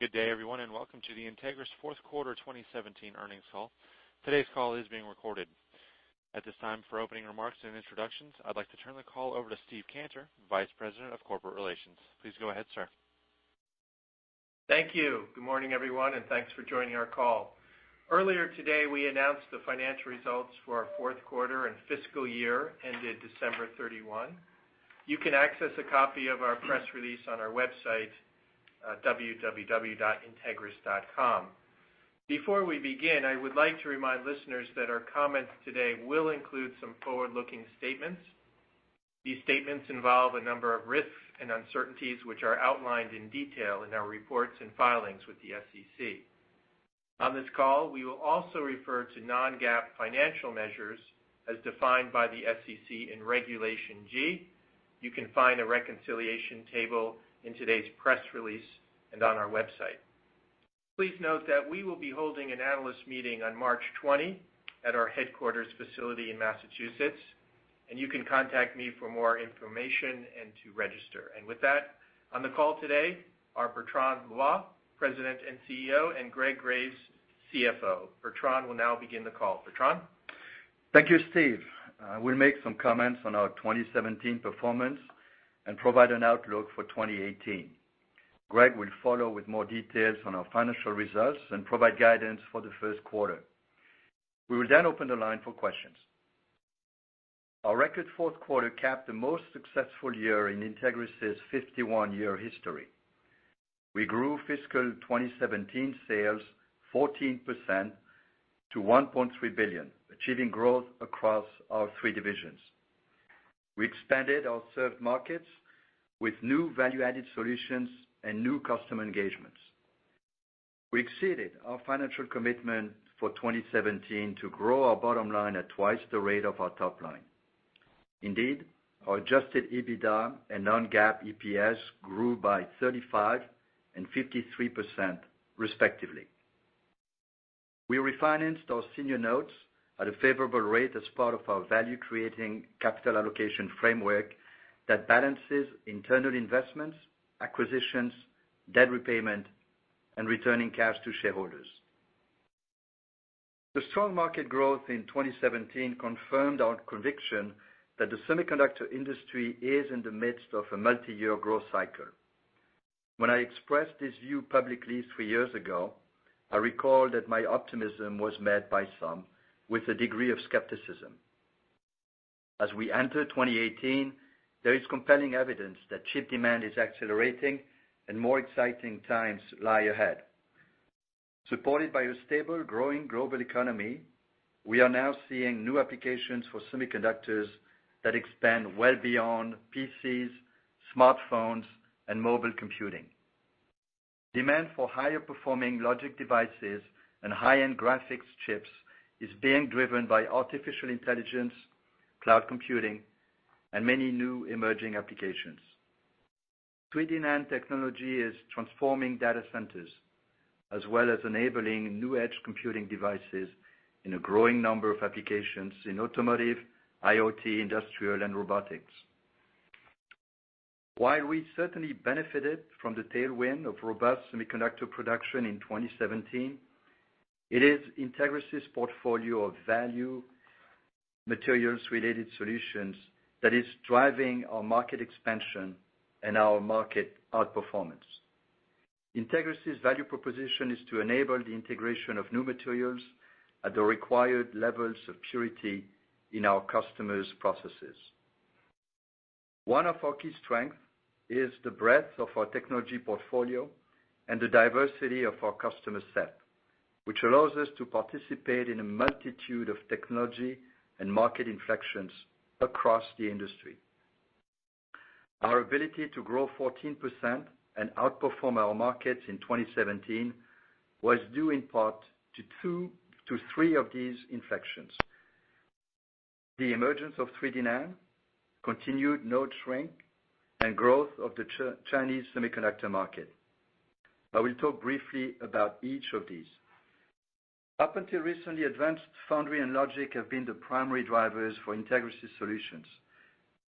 Good day, everyone, and welcome to the Entegris fourth quarter 2017 earnings call. Today's call is being recorded. At this time, for opening remarks and introductions, I'd like to turn the call over to Steve Cantor, Vice President of Corporate Relations. Please go ahead, sir. Thank you. Good morning, everyone, and thanks for joining our call. Earlier today, we announced the financial results for our fourth quarter and fiscal year ended December 31. You can access a copy of our press release on our website, www.entegris.com. Before we begin, I would like to remind listeners that our comments today will include some forward-looking statements. These statements involve a number of risks and uncertainties which are outlined in detail in our reports and filings with the SEC. On this call, we will also refer to non-GAAP financial measures as defined by the SEC in Regulation G. You can find a reconciliation table in today's press release and on our website. Please note that we will be holding an analyst meeting on March 20 at our headquarters facility in Massachusetts, and you can contact me for more information and to register. With that, on the call today are Bertrand Loy, President and CEO, and Greg Graves, CFO. Bertrand will now begin the call. Bertrand? Thank you, Steve. I will make some comments on our 2017 performance and provide an outlook for 2018. Greg will follow with more details on our financial results and provide guidance for the first quarter. We will open the line for questions. Our record fourth quarter capped the most successful year in Entegris' 51-year history. We grew fiscal 2017 sales 14% to $1.3 billion, achieving growth across our three divisions. We expanded our served markets with new value-added solutions and new customer engagements. We exceeded our financial commitment for 2017 to grow our bottom line at twice the rate of our top line. Indeed, our adjusted EBITDA and non-GAAP EPS grew by 35% and 53% respectively. We refinanced our senior notes at a favorable rate as part of our value-creating capital allocation framework that balances internal investments, acquisitions, debt repayment, and returning cash to shareholders. The strong market growth in 2017 confirmed our conviction that the semiconductor industry is in the midst of a multi-year growth cycle. When I expressed this view publicly three years ago, I recall that my optimism was met by some with a degree of skepticism. As we enter 2018, there is compelling evidence that chip demand is accelerating and more exciting times lie ahead. Supported by a stable, growing global economy, we are now seeing new applications for semiconductors that expand well beyond PCs, smartphones, and mobile computing. Demand for higher-performing logic devices and high-end graphics chips is being driven by artificial intelligence, cloud computing, and many new emerging applications. 3D NAND technology is transforming data centers, as well as enabling new edge computing devices in a growing number of applications in automotive, IoT, industrial, and robotics. While we certainly benefited from the tailwind of robust semiconductor production in 2017, it is Entegris' portfolio of value materials-related solutions that is driving our market expansion and our market outperformance. Entegris' value proposition is to enable the integration of new materials at the required levels of purity in our customers' processes. One of our key strengths is the breadth of our technology portfolio and the diversity of our customer set, which allows us to participate in a multitude of technology and market inflections across the industry. Our ability to grow 14% and outperform our markets in 2017 was due in part to three of these inflections. The emergence of 3D NAND, continued node shrink, and growth of the Chinese semiconductor market. I will talk briefly about each of these. Up until recently, advanced foundry and logic have been the primary drivers for Entegris solutions,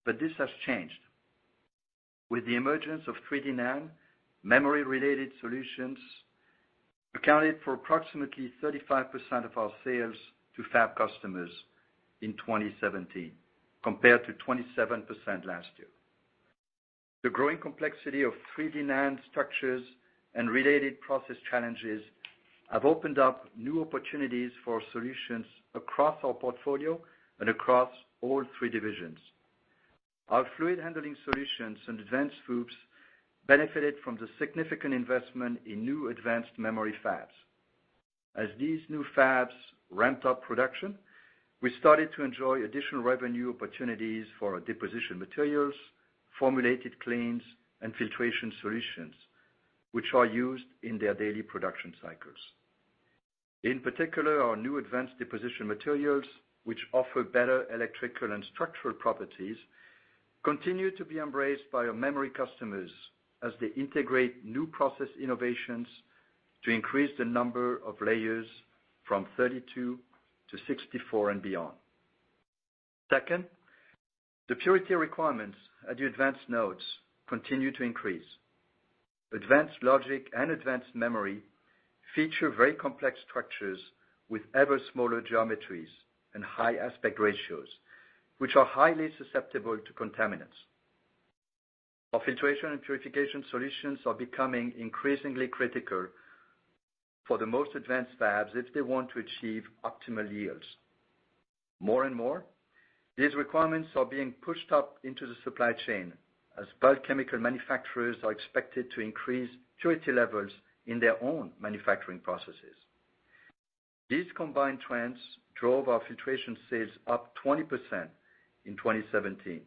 but this has changed. With the emergence of 3D NAND, memory-related solutions accounted for approximately 35% of our sales to fab customers in 2017, compared to 27% last year. The growing complexity of 3D NAND structures and related process challenges have opened up new opportunities for solutions across our portfolio and across all three divisions. Our fluid handling solutions and advanced FOUPs benefited from the significant investment in new advanced memory fabs. As these new fabs ramped up production, we started to enjoy additional revenue opportunities for our deposition materials, formulated cleans, and filtration solutions, which are used in their daily production cycles. In particular, our new advanced deposition materials, which offer better electrical and structural properties, continue to be embraced by our memory customers as they integrate new process innovations to increase the number of layers from 32 to 64 and beyond. Second, the purity requirements at the advanced nodes continue to increase. Advanced logic and advanced memory feature very complex structures with ever smaller geometries and high aspect ratios, which are highly susceptible to contaminants. Our filtration and purification solutions are becoming increasingly critical for the most advanced fabs if they want to achieve optimal yields. More and more, these requirements are being pushed up into the supply chain, as bulk chemical manufacturers are expected to increase purity levels in their own manufacturing processes. These combined trends drove our filtration sales up 20% in 2017,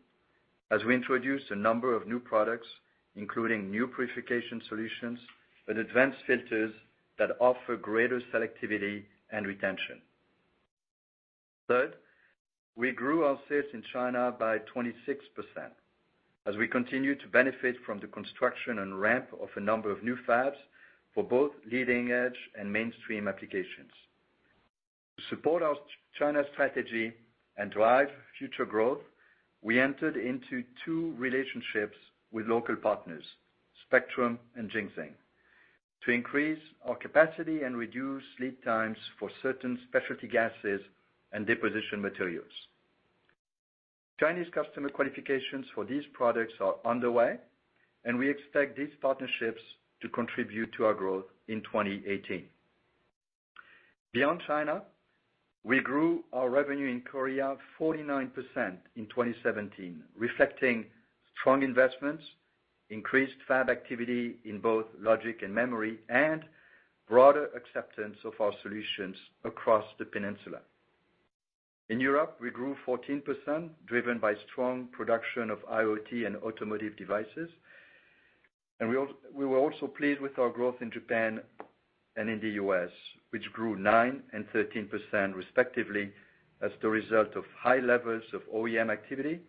as we introduced a number of new products including new purification solutions with advanced filters that offer greater selectivity and retention. Third, we grew our sales in China by 26% as we continue to benefit from the construction and ramp of a number of new fabs for both leading-edge and mainstream applications. To support our China strategy and drive future growth, we entered into two relationships with local partners, Spectrum and Jingxing, to increase our capacity and reduce lead times for certain specialty gases and deposition materials. Chinese customer qualifications for these products are underway, and we expect these partnerships to contribute to our growth in 2018. Beyond China, we grew our revenue in Korea 49% in 2017, reflecting strong investments, increased fab activity in both logic and memory, and broader acceptance of our solutions across the peninsula. In Europe, we grew 14%, driven by strong production of IoT and automotive devices. We were also pleased with our growth in Japan and in the U.S., which grew 9% and 13% respectively, as the result of high levels of OEM activity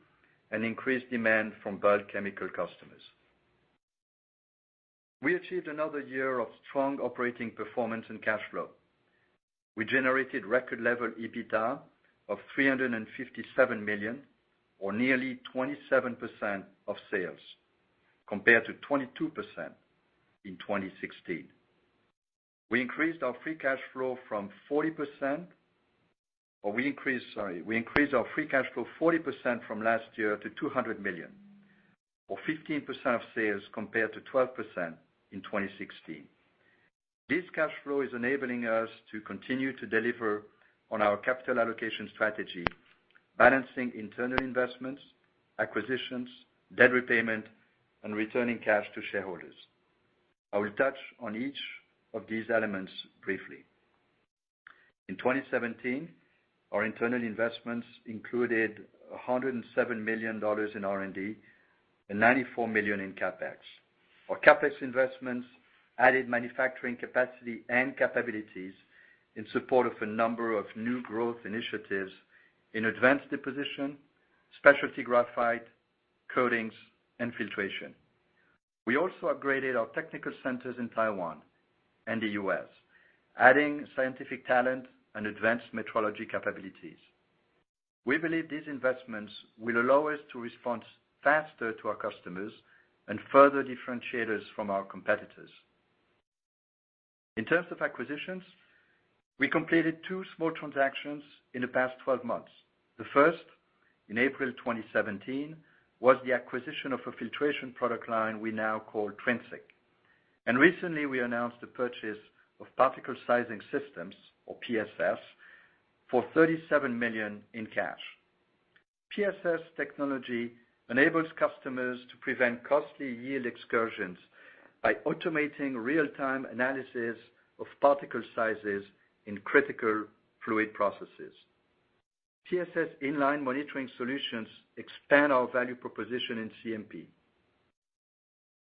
and increased demand from bulk chemical customers. We achieved another year of strong operating performance and cash flow. We generated record level EBITDA of $357 million, or nearly 27% of sales, compared to 22% in 2016. We increased our free cash flow 40% from last year to $200 million, or 15% of sales, compared to 12% in 2016. This cash flow is enabling us to continue to deliver on our capital allocation strategy, balancing internal investments, acquisitions, debt repayment, and returning cash to shareholders. I will touch on each of these elements briefly. In 2017, our internal investments included $107 million in R&D and $94 million in CapEx. Our CapEx investments added manufacturing capacity and capabilities in support of a number of new growth initiatives in advanced deposition, specialty graphite coatings, and filtration. We also upgraded our technical centers in Taiwan and the U.S., adding scientific talent and advanced metrology capabilities. We believe these investments will allow us to respond faster to our customers and further differentiate us from our competitors. In terms of acquisitions, we completed two small transactions in the past 12 months. The first, in April 2017, was the acquisition of a filtration product line we now call Trinzik. Recently we announced the purchase of Particle Sizing Systems, or PSS, for $37 million in cash. PSS technology enables customers to prevent costly yield excursions by automating real-time analysis of particle sizes in critical fluid processes. PSS inline monitoring solutions expand our value proposition in CMP.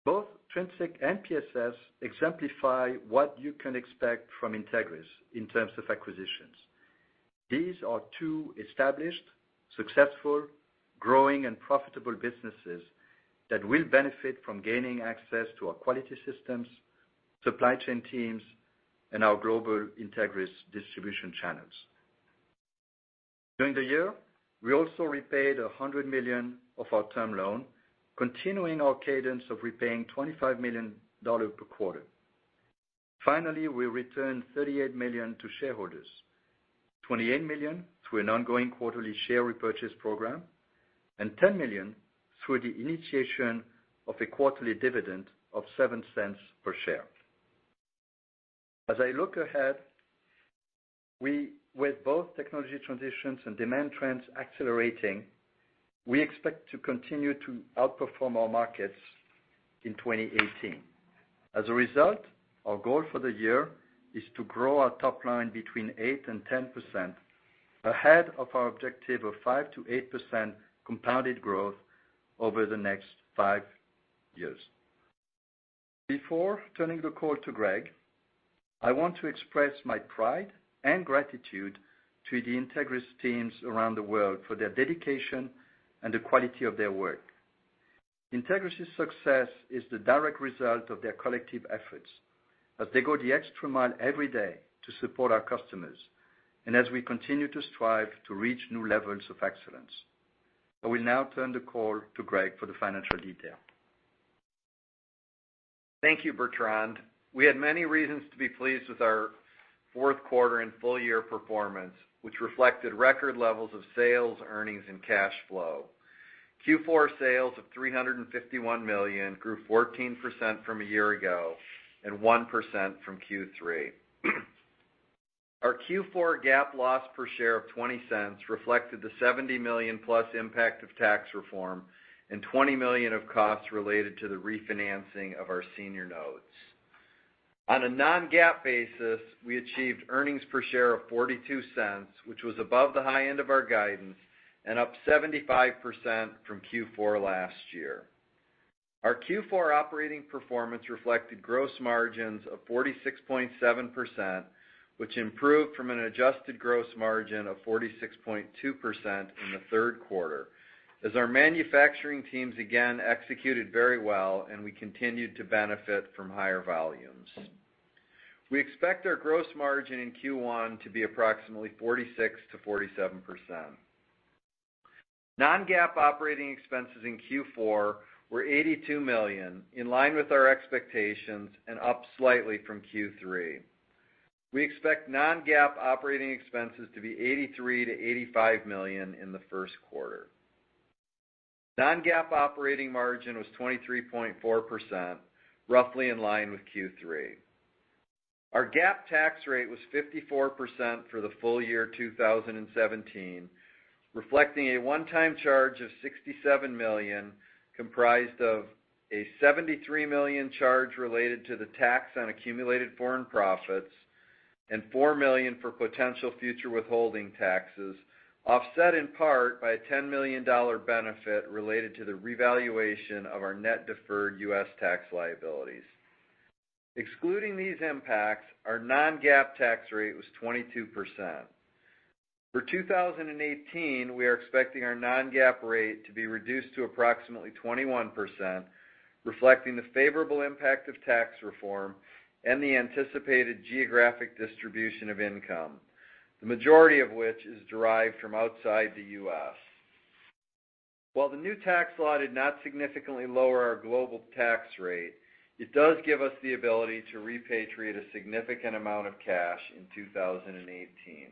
Both Trinzik and PSS exemplify what you can expect from Entegris in terms of acquisitions. These are two established, successful, growing, and profitable businesses that will benefit from gaining access to our quality systems, supply chain teams, and our global Entegris distribution channels. During the year, we also repaid $100 million of our term loan, continuing our cadence of repaying $25 million per quarter. Finally, we returned $38 million to shareholders, $28 million through an ongoing quarterly share repurchase program, and $10 million through the initiation of a quarterly dividend of $0.07 per share. As I look ahead, with both technology transitions and demand trends accelerating, we expect to continue to outperform our markets in 2018. As a result, our goal for the year is to grow our top line between 8%-10%, ahead of our objective of 5%-8% compounded growth over the next five years. Before turning the call to Greg, I want to express my pride and gratitude to the Entegris teams around the world for their dedication and the quality of their work. Entegris' success is the direct result of their collective efforts as they go the extra mile every day to support our customers and as we continue to strive to reach new levels of excellence. I will now turn the call to Greg for the financial detail. Thank you, Bertrand. We had many reasons to be pleased with our fourth quarter and full-year performance, which reflected record levels of sales, earnings, and cash flow. Q4 sales of $351 million grew 14% from a year ago and 1% from Q3. Our Q4 GAAP loss per share of $0.20 reflected the $70 million-plus impact of tax reform and $20 million of costs related to the refinancing of our senior notes. On a non-GAAP basis, we achieved earnings per share of $0.42, which was above the high end of our guidance and up 75% from Q4 last year. Our Q4 operating performance reflected gross margins of 46.7%, which improved from an adjusted gross margin of 46.2% in the third quarter, as our manufacturing teams again executed very well, and we continued to benefit from higher volumes. We expect our gross margin in Q1 to be approximately 46%-47%. Non-GAAP operating expenses in Q4 were $82 million, in line with our expectations and up slightly from Q3. We expect non-GAAP operating expenses to be $83 million-$85 million in the first quarter. Non-GAAP operating margin was 23.4%, roughly in line with Q3. Our GAAP tax rate was 54% for the full year 2017, reflecting a one-time charge of $67 million, comprised of a $73 million charge related to the tax on accumulated foreign profits and $4 million for potential future withholding taxes, offset in part by a $10 million benefit related to the revaluation of our net deferred U.S. tax liabilities. Excluding these impacts, our non-GAAP tax rate was 22%. For 2018, we are expecting our non-GAAP rate to be reduced to approximately 21%, reflecting the favorable impact of tax reform and the anticipated geographic distribution of income, the majority of which is derived from outside the U.S. While the new tax law did not significantly lower our global tax rate, it does give us the ability to repatriate a significant amount of cash in 2018.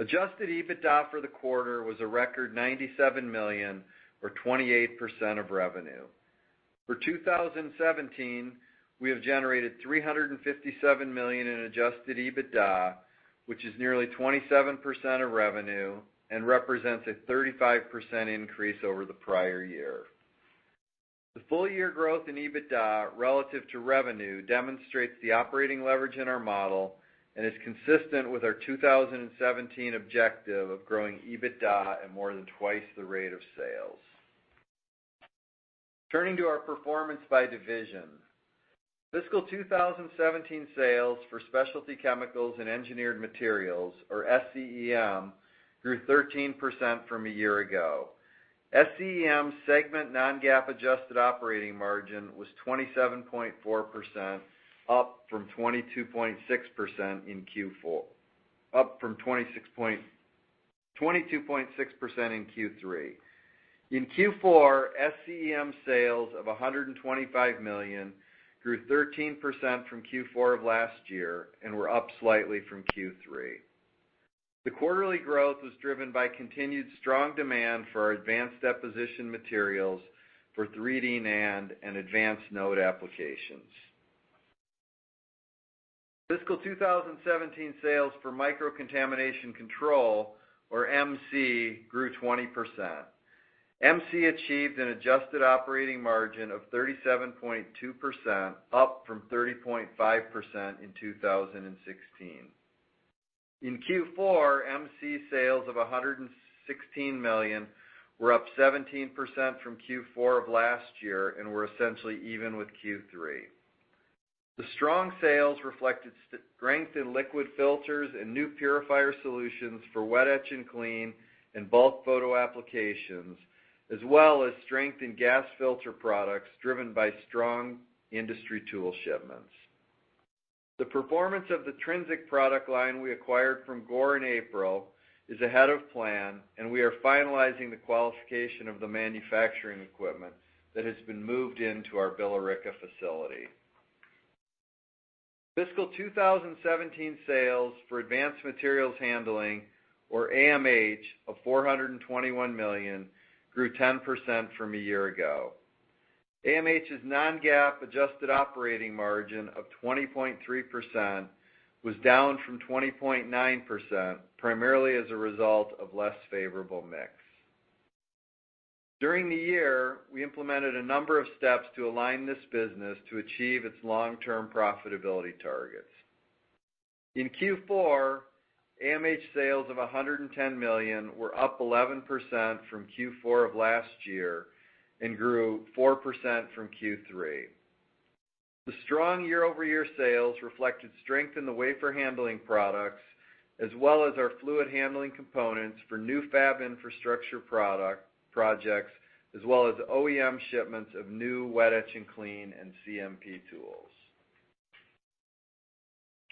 Adjusted EBITDA for the quarter was a record $97 million, or 28% of revenue. For 2017, we have generated $357 million in Adjusted EBITDA, which is nearly 27% of revenue and represents a 35% increase over the prior year. The full-year growth in EBITDA relative to revenue demonstrates the operating leverage in our model and is consistent with our 2017 objective of growing EBITDA at more than twice the rate of sales. Turning to our performance by division. Fiscal 2017 sales for Specialty Chemicals and Engineered Materials, or SCEM, grew 13% from a year ago. SCEM segment non-GAAP adjusted operating margin was 27.4%, up from 22.6% in Q3. In Q4, SCEM sales of $125 million grew 13% from Q4 of last year and were up slightly from Q3. The quarterly growth was driven by continued strong demand for our advanced deposition materials for 3D NAND and advanced node applications. Fiscal 2017 sales for Microcontamination Control, or MC, grew 20%. MC achieved an adjusted operating margin of 37.2%, up from 30.5% in 2016. In Q4, MC sales of $116 million were up 17% from Q4 of last year and were essentially even with Q3. The strong sales reflected strength in liquid filters and new purifier solutions for wet etch and clean and bulk photo applications, as well as strength in gas filter products driven by strong industry tool shipments. The performance of the Trinzik product line we acquired from Gore in April is ahead of plan, and we are finalizing the qualification of the manufacturing equipment that has been moved into our Billerica facility. Fiscal 2017 sales for Advanced Materials Handling, or AMH, of $421 million grew 10% from a year ago. AMH's non-GAAP adjusted operating margin of 20.3% was down from 20.9%, primarily as a result of less favorable mix. During the year, we implemented a number of steps to align this business to achieve its long-term profitability targets. In Q4, AMH sales of $110 million were up 11% from Q4 of last year and grew 4% from Q3. The strong year-over-year sales reflected strength in the wafer handling products, as well as our fluid handling components for new fab infrastructure projects, as well as OEM shipments of new wet etch and clean and CMP tools.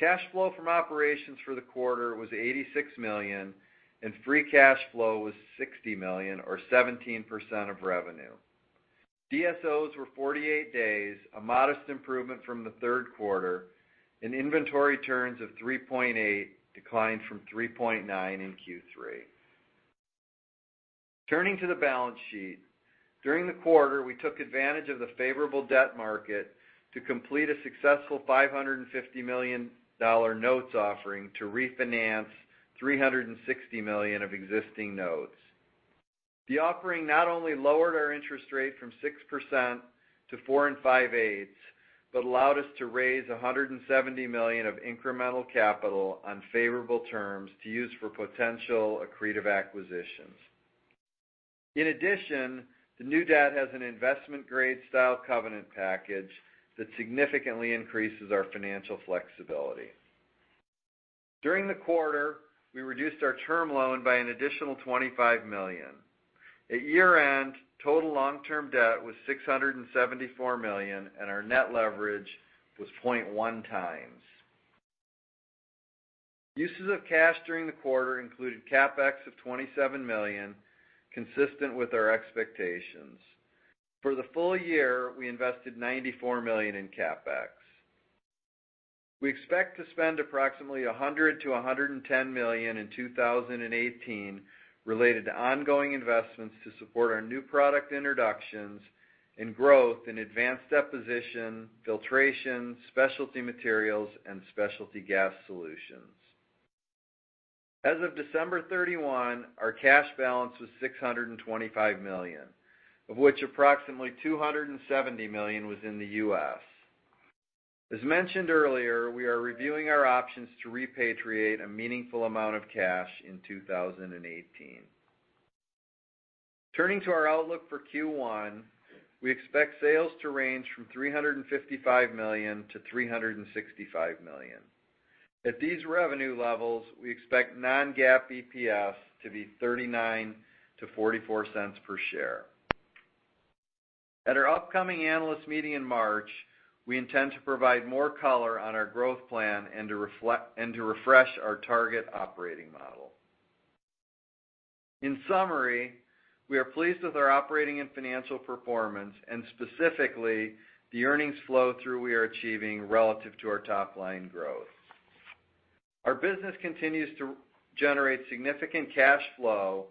Cash flow from operations for the quarter was $86 million, and free cash flow was $60 million or 17% of revenue. DSOs were 48 days, a modest improvement from the third quarter, and inventory turns of 3.8 declined from 3.9 in Q3. Turning to the balance sheet. During the quarter, we took advantage of the favorable debt market to complete a successful $550 million notes offering to refinance $360 million of existing notes. The offering not only lowered our interest rate from 6% to 4.625%, but allowed us to raise $170 million of incremental capital on favorable terms to use for potential accretive acquisitions. In addition, the new debt has an investment-grade style covenant package that significantly increases our financial flexibility. During the quarter, we reduced our term loan by an additional $25 million. At year-end, total long-term debt was $674 million, and our net leverage was 0.1 times. Uses of cash during the quarter included CapEx of $27 million, consistent with our expectations. For the full year, we invested $94 million in CapEx. We expect to spend approximately $100 million to $110 million in 2018 related to ongoing investments to support our new product introductions and growth in advanced deposition, filtration, specialty materials, and specialty gas solutions. As of December 31, our cash balance was $625 million, of which approximately $270 million was in the U.S. As mentioned earlier, we are reviewing our options to repatriate a meaningful amount of cash in 2018. Turning to our outlook for Q1, we expect sales to range from $355 million to $365 million. At these revenue levels, we expect non-GAAP EPS to be $0.39 to $0.44 per share. At our upcoming analyst meeting in March, we intend to provide more color on our growth plan and to refresh our target operating model. In summary, we are pleased with our operating and financial performance, and specifically, the earnings flow-through we are achieving relative to our top-line growth. Our business continues to generate significant cash flow,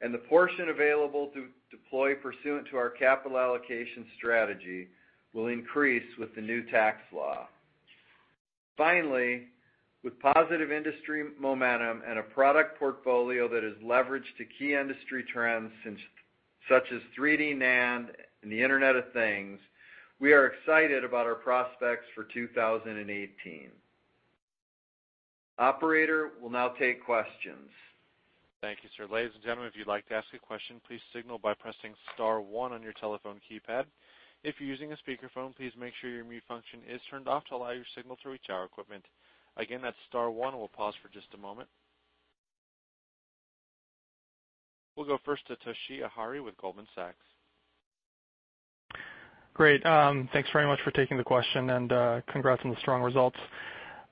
and the portion available to deploy pursuant to our capital allocation strategy will increase with the new tax law. Finally, with positive industry momentum and a product portfolio that is leveraged to key industry trends such as 3D NAND and the Internet of Things, we are excited about our prospects for 2018. Operator, we will now take questions. Thank you, sir. Ladies and gentlemen, if you would like to ask a question, please signal by pressing *1 on your telephone keypad. If you are using a speakerphone, please make sure your mute function is turned off to allow your signal through to our equipment. Again, that is *1. We will pause for just a moment. We will go first to Toshiya Hari with Goldman Sachs. Great. Thanks very much for taking the question, congrats on the strong results.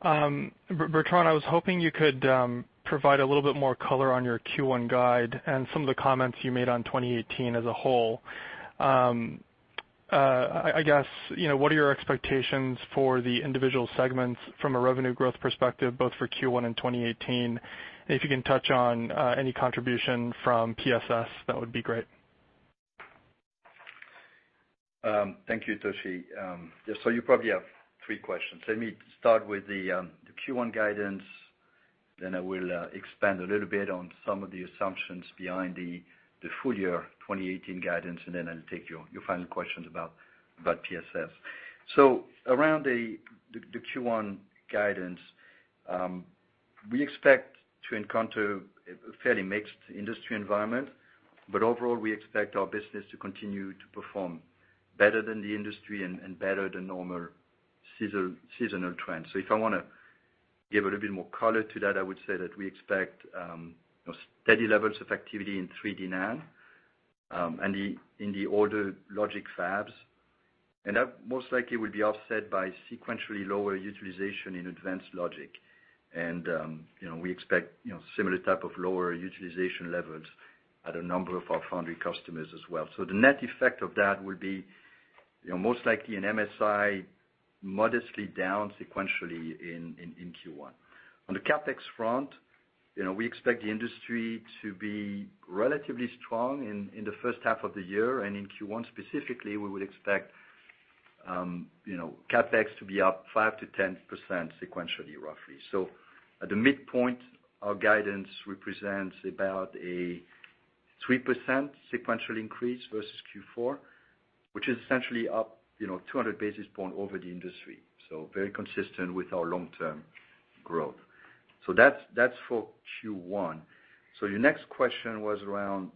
Bertrand, I was hoping you could provide a little bit more color on your Q1 guide and some of the comments you made on 2018 as a whole. What are your expectations for the individual segments from a revenue growth perspective, both for Q1 and 2018? If you can touch on any contribution from PSS, that would be great. Thank you, Toshiya. You probably have three questions. Let me start with the Q1 guidance, I will expand a little bit on some of the assumptions behind the full year 2018 guidance, and I will take your final questions about PSS. Around the Q1 guidance, we expect to encounter a fairly mixed industry environment, overall, we expect our business to continue to perform better than the industry and better than normal seasonal trends. If I want to give a little bit more color to that, I would say that we expect steady levels of activity in 3D NAND, and in the older logic fabs. That most likely will be offset by sequentially lower utilization in advanced logic. We expect similar type of lower utilization levels at a number of our foundry customers as well. The net effect of that will be most likely an MSI modestly down sequentially in Q1. On the CapEx front, we expect the industry to be relatively strong in the first half of the year, and in Q1 specifically, we would expect CapEx to be up 5%-10% sequentially, roughly. At the midpoint, our guidance represents about a 3% sequential increase versus Q4, which is essentially up 200 basis points over the industry. Very consistent with our long-term growth. That's for Q1. Your next question was around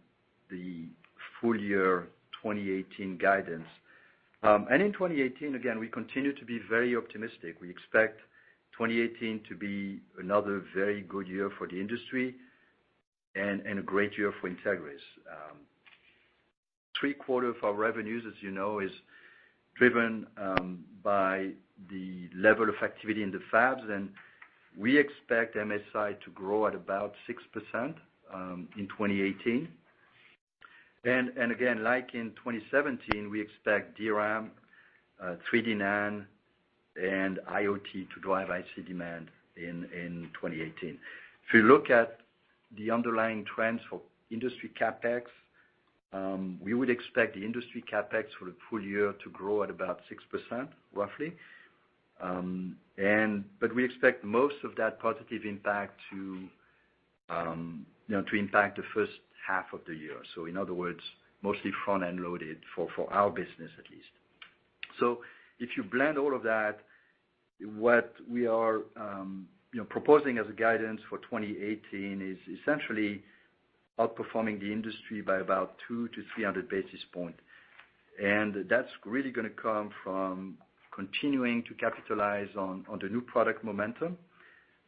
the full year 2018 guidance. In 2018, again, we continue to be very optimistic. We expect 2018 to be another very good year for the industry and a great year for Entegris. Three-quarters of our revenues, as you know, is driven by the level of activity in the fabs, and we expect MSI to grow at about 6% in 2018. Again, like in 2017, we expect DRAM, 3D NAND, and IoT to drive IC demand in 2018. If you look at the underlying trends for industry CapEx, we would expect the industry CapEx for the full year to grow at about 6%, roughly. We expect most of that positive impact to impact the first half of the year. In other words, mostly front-end loaded for our business at least. If you blend all of that, what we are proposing as a guidance for 2018 is essentially outperforming the industry by about 200-300 basis points. That's really going to come from continuing to capitalize on the new product momentum,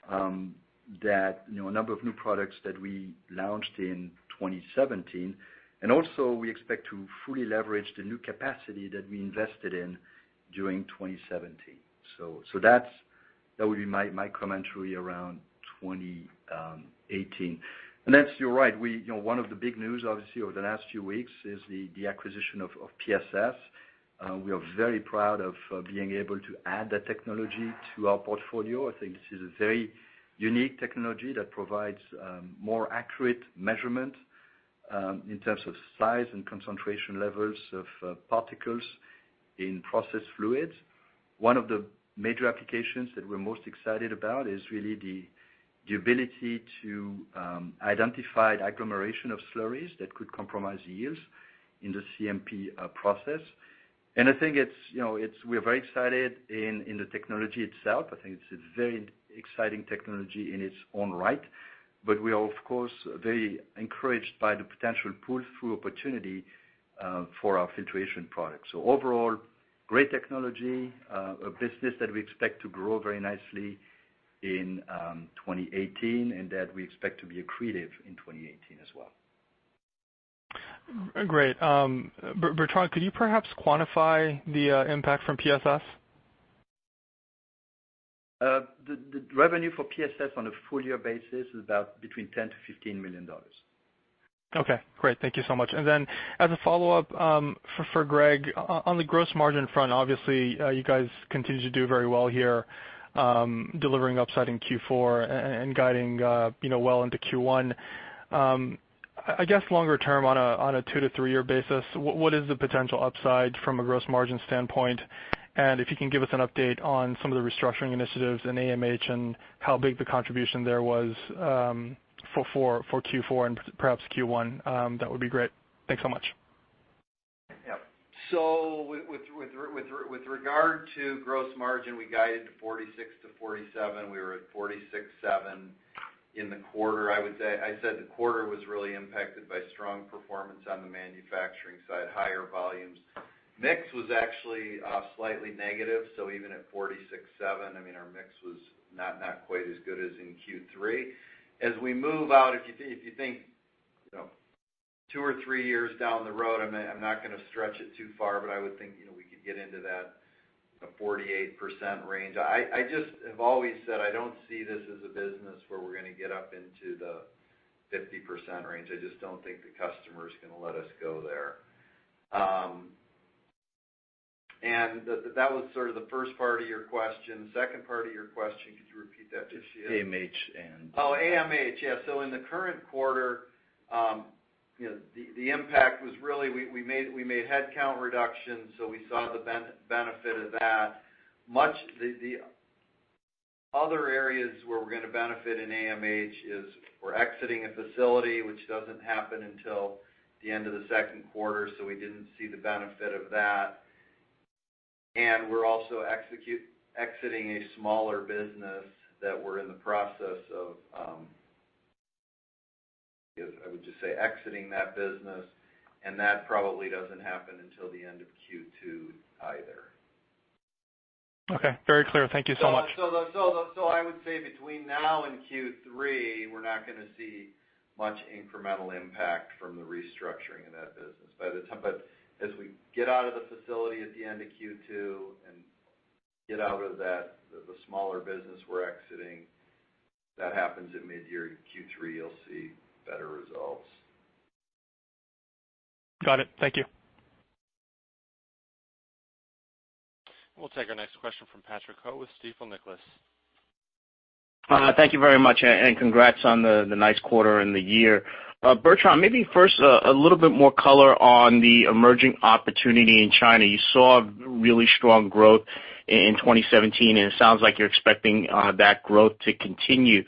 that a number of new products that we launched in 2017. Also, we expect to fully leverage the new capacity that we invested in during 2017. That would be my commentary around 2018. You're right, one of the big news, obviously, over the last few weeks is the acquisition of PSS. We are very proud of being able to add that technology to our portfolio. I think this is a very unique technology that provides more accurate measurement in terms of size and concentration levels of particles in process fluids. One of the major applications that we're most excited about is really the ability to identify agglomeration of slurries that could compromise yields in the CMP process. I think we're very excited in the technology itself. I think it's a very exciting technology in its own right, but we are, of course, very encouraged by the potential pull-through opportunity for our filtration products. Overall, great technology, a business that we expect to grow very nicely in 2018, and that we expect to be accretive in 2018 as well. Great. Bertrand, could you perhaps quantify the impact from PSS? The revenue for PSS on a full-year basis is about between $10 to $15 million. Okay, great. Thank you so much. As a follow-up, for Greg, on the gross margin front, obviously, you guys continue to do very well here, delivering upside in Q4, and guiding well into Q1. I guess, longer term, on a two- to three-year basis, what is the potential upside from a gross margin standpoint? If you can give us an update on some of the restructuring initiatives in AMH and how big the contribution there was for Q4 and perhaps Q1, that would be great. Thanks so much. Yeah. With regard to gross margin, we guided to 46%-47%. We were at 46.7% in the quarter. I said the quarter was really impacted by strong performance on the manufacturing side, higher volumes. Mix was actually slightly negative, so even at 46.7%, our mix was not quite as good as in Q3. As we move out, if you think two or three years down the road, I'm not going to stretch it too far, but I would think we could get into that 48% range. I just have always said I don't see this as a business where we're going to get up into the 50% range. I just don't think the customer's going to let us go there. That was sort of the first part of your question. The second part of your question, could you repeat that, Jeff? Just AMH. Oh, AMH. Yeah. In the current quarter, the impact was really we made headcount reductions, so we saw the benefit of that. The other areas where we're going to benefit in AMH is we're exiting a facility, which doesn't happen until the end of the second quarter, so we didn't see the benefit of that. We're also exiting a smaller business that we're in the process of, I would just say exiting that business, and that probably doesn't happen until the end of Q2 either. Okay. Very clear. Thank you so much. I would say between now and Q3, we're not going to see much incremental impact from the restructuring in that business. As we get out of the facility at the end of Q2 and get out of the smaller business we're exiting, that happens at mid-year Q3, you'll see better results. Got it. Thank you. We'll take our next question from Patrick Ho with Stifel Nicolaus. Thank you very much, and congrats on the nice quarter and the year. Bertrand, maybe first, a little bit more color on the emerging opportunity in China. You saw really strong growth in 2017. It sounds like you're expecting that growth to continue.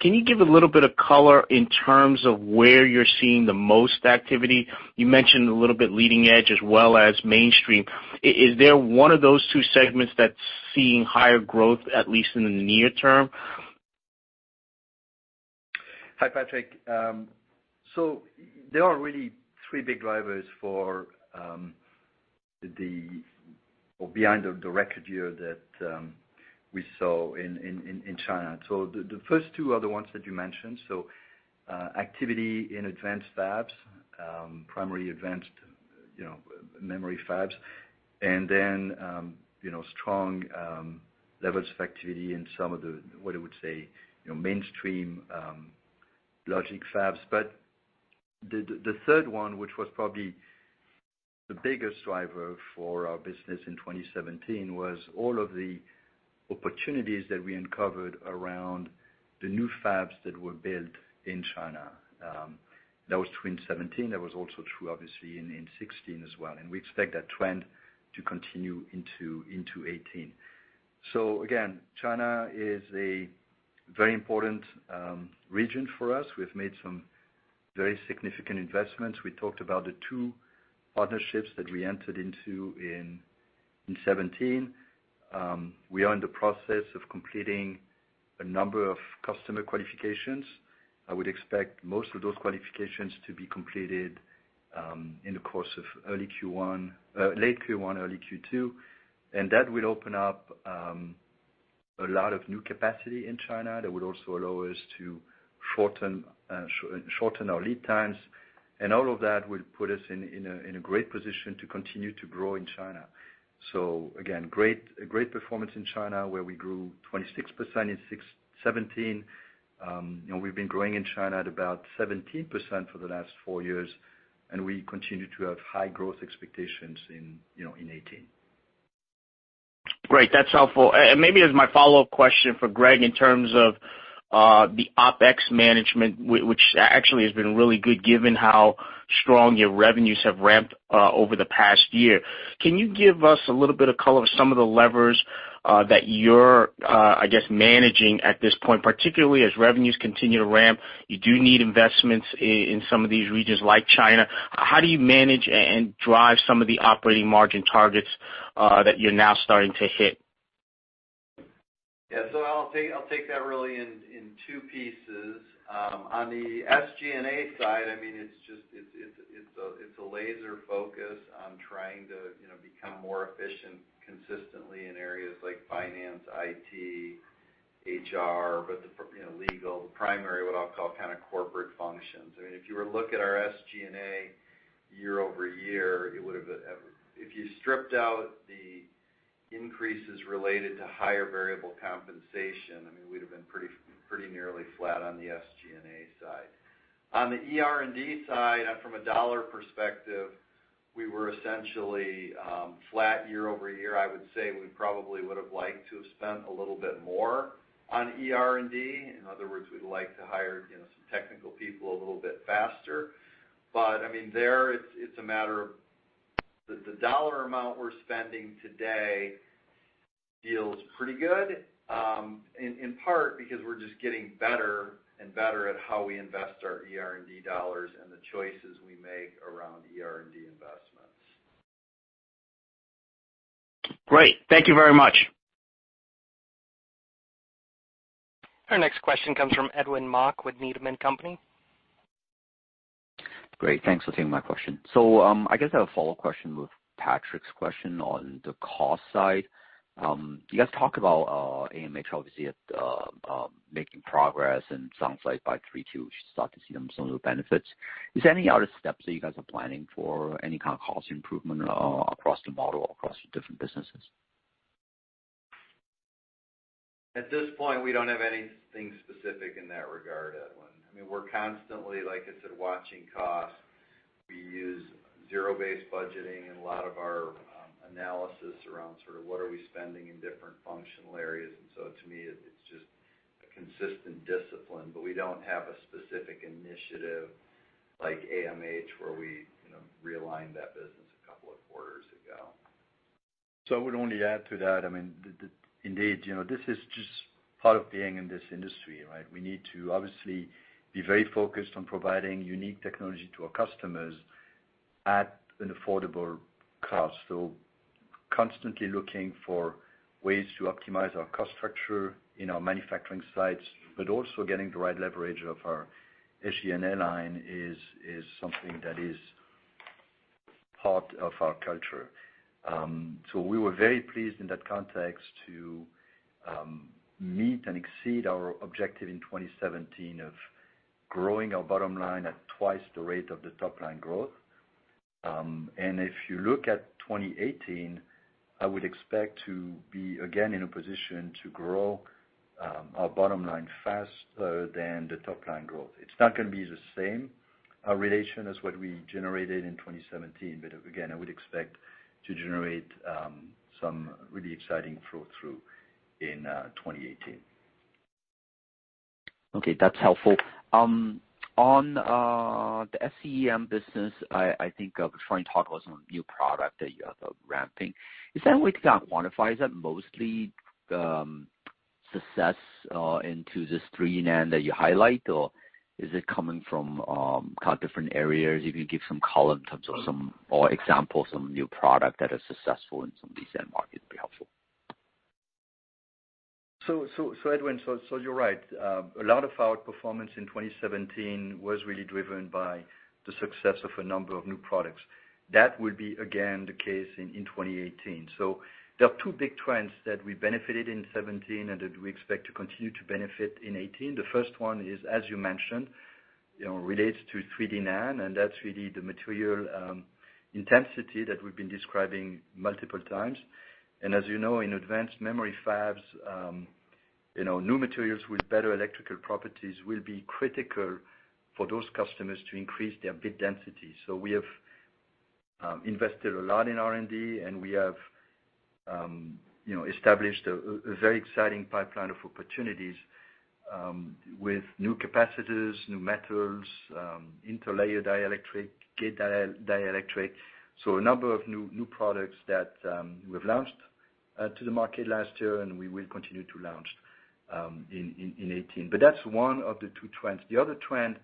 Can you give a little bit of color in terms of where you're seeing the most activity? You mentioned a little bit leading edge as well as mainstream. Is there one of those two segments that's seeing higher growth, at least in the near term? Hi, Patrick. There are really three big drivers behind the record year that we saw in China. The first two are the ones that you mentioned, activity in advanced fabs, primary advanced memory fabs, and then strong levels of activity in some of the, what I would say, mainstream logic fabs. The third one, which was probably the biggest driver for our business in 2017, was all of the opportunities that we uncovered around the new fabs that were built in China. That was true in 2017. That was also true, obviously, in 2016 as well. We expect that trend to continue into 2018. Again, China is a very important region for us. We've made some very significant investments. We talked about the two partnerships that we entered into in 2017. We are in the process of completing a number of customer qualifications. I would expect most of those qualifications to be completed in the course of late Q1, early Q2, and that will open up a lot of new capacity in China that would also allow us to shorten our lead times. All of that will put us in a great position to continue to grow in China. Again, great performance in China, where we grew 26% in 2017. We've been growing in China at about 17% for the last four years. We continue to have high growth expectations in 2018. Great. That's helpful. Maybe as my follow-up question for Greg, in terms of the OpEx management, which actually has been really good given how strong your revenues have ramped over the past year. Can you give us a little bit of color of some of the levers that you're, I guess, managing at this point, particularly as revenues continue to ramp, you do need investments in some of these regions like China. How do you manage and drive some of the operating margin targets that you're now starting to hit? I'll take that really in two pieces. On the SG&A side, it's a laser focus on trying to become more efficient consistently in areas like finance, IT, HR, legal, the primary, what I'll call kind of corporate functions. If you were to look at our SG&A year-over-year, if you stripped out the increases related to higher variable compensation, we'd have been pretty nearly flat on the SG&A side. On the R&D side, from a dollar perspective, we were essentially flat year-over-year. I would say we probably would've liked to have spent a little bit more on R&D. In other words, we'd like to hire some technical people a little bit faster. There, it's a matter of the dollar amount we're spending today feels pretty good, in part because we're just getting better and better at how we invest our R&D dollars and the choices we make around R&D investments. Great. Thank you very much. Our next question comes from Edwin Mok with Needham & Company. Great. Thanks for taking my question. I guess I have a follow-up question with Patrick's question on the cost side. You guys talk about AMH, obviously, making progress and it sounds like by 3Q, we should start to see some of the benefits. Is there any other steps that you guys are planning for any kind of cost improvement across the model, across the different businesses? At this point, we don't have anything specific in that regard, Edwin. We're constantly, like I said, watching costs. We use zero-based budgeting in a lot of our analysis around sort of what are we spending in different functional areas. To me, it's just a consistent discipline, but we don't have a specific initiative like AMH, where we realigned that business a couple of quarters ago. I would only add to that, indeed, this is just part of being in this industry, right? We need to obviously be very focused on providing unique technology to our customers at an affordable cost. Constantly looking for ways to optimize our cost structure in our manufacturing sites, but also getting the right leverage of our SG&A line is something that is part of our culture. We were very pleased in that context to meet and exceed our objective in 2017 of growing our bottom line at twice the rate of the top-line growth. If you look at 2018, I would expect to be again in a position to grow our bottom line faster than the top-line growth. It's not going to be the same relation as what we generated in 2017. Again, I would expect to generate some really exciting flow-through in 2018. Okay. That's helpful. On the SCEM business, I think I was trying to talk about some new product that you are ramping. Is there a way you can quantify, is that mostly success into this 3D NAND that you highlight, or is it coming from kind of different areas? You can give some color in terms of some, or examples, some new product that is successful in some recent markets would be helpful. Edwin, you're right. A lot of our performance in 2017 was really driven by the success of a number of new products. That will be again the case in 2018. There are two big trends that we benefited in 2017, and that we expect to continue to benefit in 2018. The first one is, as you mentioned, relates to 3D NAND, and that's really the material intensity that we've been describing multiple times. As you know, in advanced memory fabs, new materials with better electrical properties will be critical for those customers to increase their bit density. We have invested a lot in R&D, and we have established a very exciting pipeline of opportunities with new capacitors, new metals, interlayer dielectric, gate dielectric. A number of new products that we've launched to the market last year, and we will continue to launch in 2018. That's one of the two trends. The other trend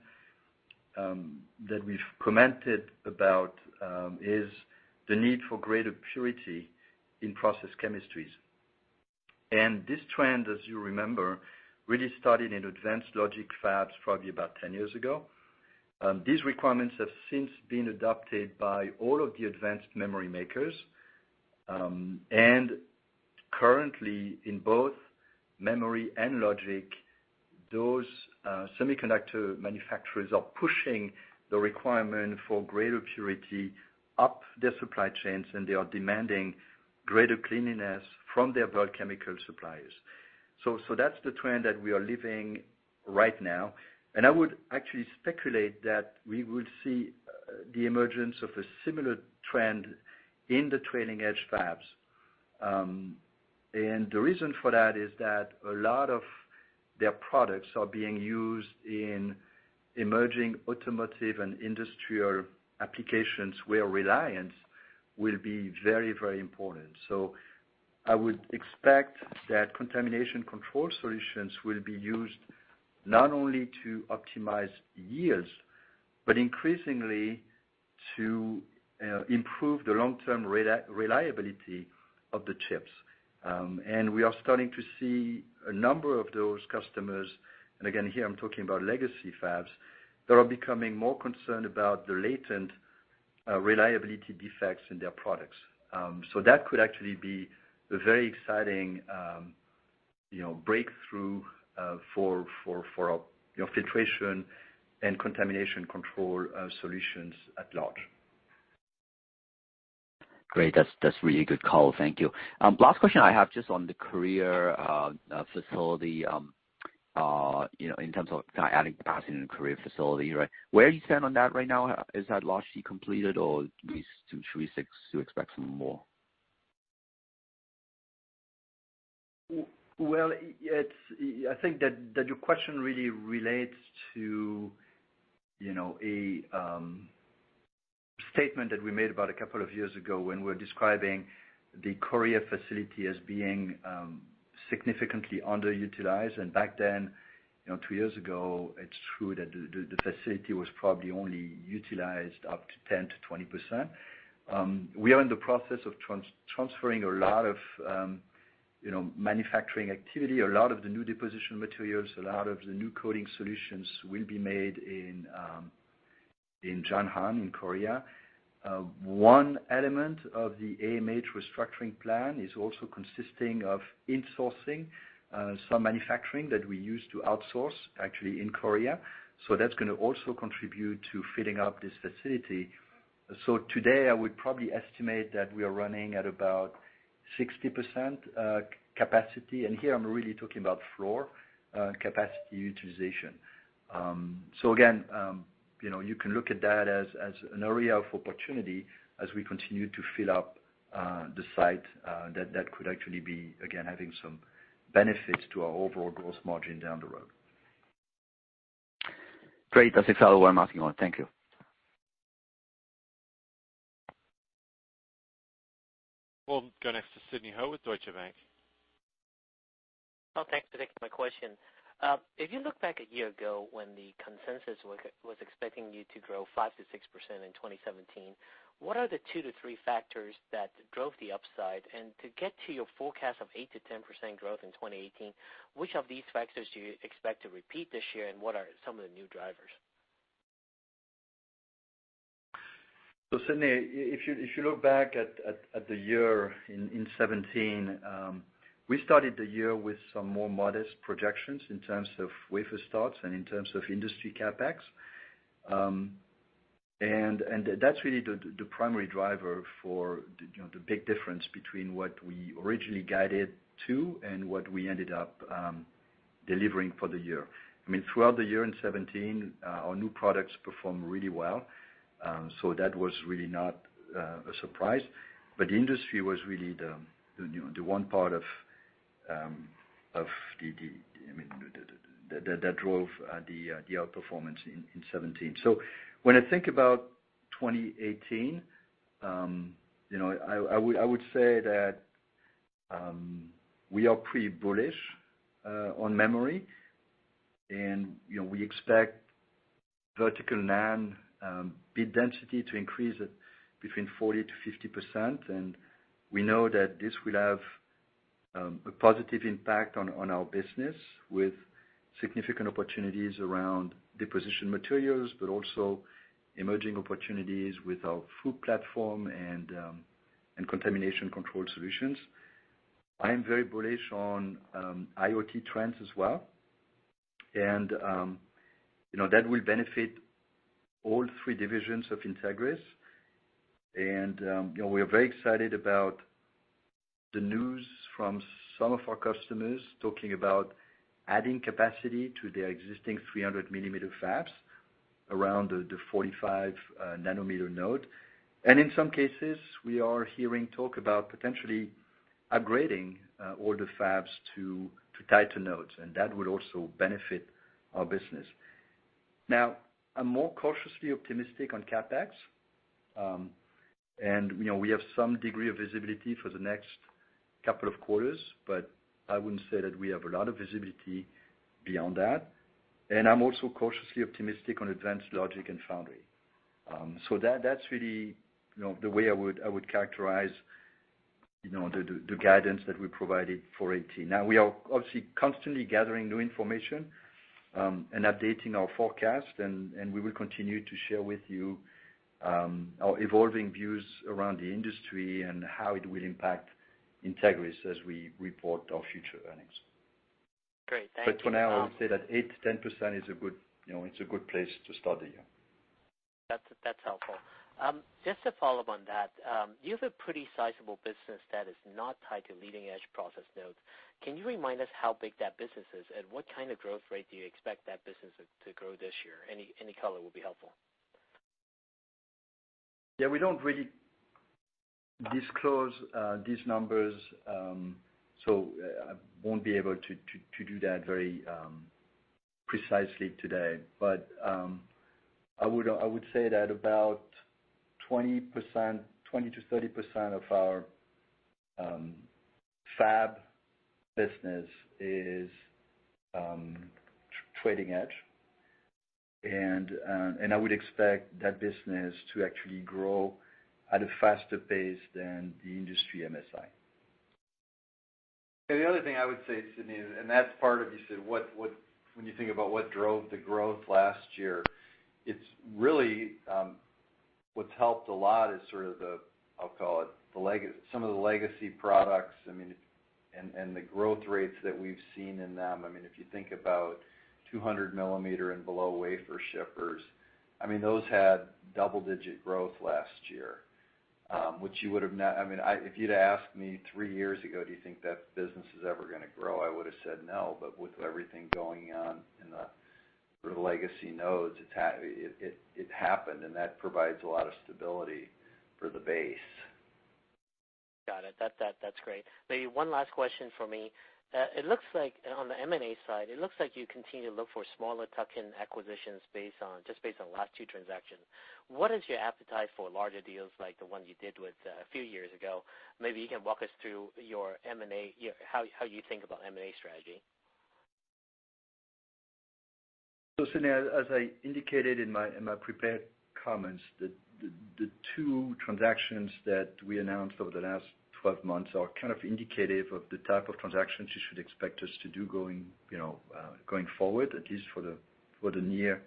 that we've commented about is the need for greater purity in process chemistries. This trend, as you remember, really started in advanced logic fabs, probably about 10 years ago. These requirements have since been adopted by all of the advanced memory makers. Currently in both memory and logic, those semiconductor manufacturers are pushing the requirement for greater purity up their supply chains, and they are demanding greater cleanliness from their bulk chemical suppliers. That's the trend that we are living right now. I would actually speculate that we would see the emergence of a similar trend in the trailing-edge fabs. The reason for that is that a lot of their products are being used in emerging automotive and industrial applications, where reliance will be very important. I would expect that contamination control solutions will be used not only to optimize yields, but increasingly to improve the long-term reliability of the chips. We are starting to see a number of those customers, and again, here I'm talking about legacy fabs, that are becoming more concerned about the latent reliability defects in their products. That could actually be a very exciting breakthrough for filtration and contamination control solutions at large. Great. That's really good call. Thank you. Last question I have, just on the Korea facility, in terms of adding capacity in the Korea facility. Where are you stand on that right now? Is that largely completed or at least to 36, do you expect some more? I think that your question really relates to a statement that we made about a couple of years ago when we were describing the Korea facility as being significantly underutilized. Back then, two years ago, it's true that the facility was probably only utilized up to 10%-20%. We are in the process of transferring a lot of manufacturing activity, a lot of the new deposition materials, a lot of the new coating solutions will be made in JangAn, in Korea. One element of the AMH restructuring plan is also consisting of insourcing some manufacturing that we used to outsource, actually in Korea. That's going to also contribute to filling up this facility. Today, I would probably estimate that we are running at about 60% capacity, and here I'm really talking about floor capacity utilization. Again, you can look at that as an area of opportunity as we continue to fill up the site. That could actually be, again, having some benefits to our overall gross margin down the road. Great. That's exactly what I'm asking about. Thank you. We'll go next to Sidney Ho with Deutsche Bank. Thanks for taking my question. If you look back a year ago when the consensus was expecting you to grow 5%-6% in 2017, what are the two to three factors that drove the upside? To get to your forecast of 8%-10% growth in 2018, which of these factors do you expect to repeat this year, and what are some of the new drivers? Sidney, if you look back at the year in 2017, we started the year with some more modest projections in terms of wafer starts and in terms of industry CapEx. That's really the primary driver for the big difference between what we originally guided to and what we ended up delivering for the year. Throughout the year in 2017, our new products performed really well. That was really not a surprise. The industry was really the one part that drove the outperformance in 2017. When I think about 2018, I would say that we are pretty bullish on memory, and we expect Vertical NAND bit density to increase between 40%-50%. We know that this will have a positive impact on our business with significant opportunities around deposition materials, but also emerging opportunities with our FOUP platform and contamination control solutions. I am very bullish on IoT trends as well. That will benefit all three divisions of Entegris. We are very excited about the news from some of our customers talking about adding capacity to their existing 300-millimeter fabs around the 45 nanometer node. In some cases, we are hearing talk about potentially upgrading all the fabs to tighter nodes, and that would also benefit our business. I'm more cautiously optimistic on CapEx. We have some degree of visibility for the next couple of quarters, but I wouldn't say that we have a lot of visibility beyond that. I'm also cautiously optimistic on advanced logic and foundry. That's really the way I would characterize the guidance that we provided for 2018. We are obviously constantly gathering new information, and updating our forecast, and we will continue to share with you our evolving views around the industry and how it will impact Entegris as we report our future earnings. Great. Thank you. For now, I would say that 8%-10% it's a good place to start the year. That's helpful. Just to follow up on that, you have a pretty sizable business that is not tied to leading-edge process nodes. Can you remind us how big that business is, and what kind of growth rate do you expect that business to grow this year? Any color will be helpful. Yeah. We don't really disclose these numbers, so I won't be able to do that very precisely today. I would say that about 20%-30% of our fab business is trailing edge. I would expect that business to actually grow at a faster pace than the industry MSI. The other thing I would say, Sidney, and that's part of, you said, when you think about what drove the growth last year, it's really what's helped a lot is sort of the, I'll call it some of the legacy products, and the growth rates that we've seen in them. If you think about 200 millimeter and below wafer shippers, those had double-digit growth last year. If you'd asked me three years ago, "Do you think that business is ever going to grow?" I would've said no, but with everything going on in the legacy nodes, it happened, and that provides a lot of stability for the base. Got it. That's great. One last question from me. It looks like on the M&A side, it looks like you continue to look for smaller tuck-in acquisitions just based on the last two transactions. What is your appetite for larger deals like the one you did a few years ago? Maybe you can walk us through how you think about M&A strategy. Sidney, as I indicated in my prepared comments, the two transactions that we announced over the last 12 months are kind of indicative of the type of transactions you should expect us to do going forward, at least for the near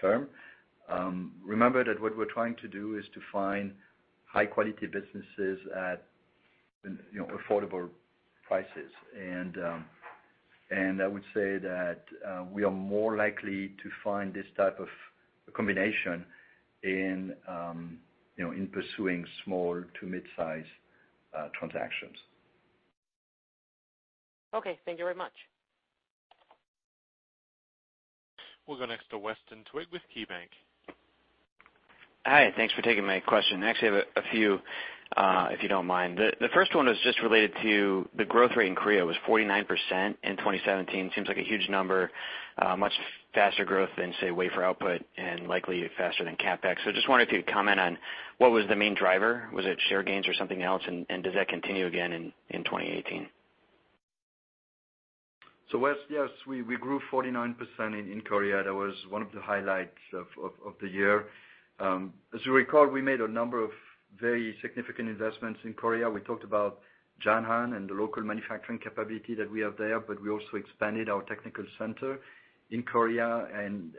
term. Remember that what we're trying to do is to find high-quality businesses at affordable prices. I would say that we are more likely to find this type of combination in pursuing small to mid-size transactions. Okay. Thank you very much. We'll go next to Weston Twigg with KeyBanc. Hi, thanks for taking my question. I actually have a few, if you don't mind. The first one is just related to the growth rate in Korea was 49% in 2017. Seems like a huge number, much faster growth than, say, wafer output and likely faster than CapEx. Just wondered if you could comment on what was the main driver. Was it share gains or something else, and does that continue again in 2018? Wes, yes, we grew 49% in Korea. That was one of the highlights of the year. As you recall, we made a number of very significant investments in Korea. We talked about JangAn and the local manufacturing capability that we have there, but we also expanded our technical center in Korea, and